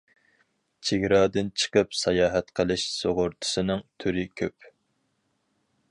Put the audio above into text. چېگرادىن چىقىپ ساياھەت قىلىش سۇغۇرتىسىنىڭ تۈرى كۆپ.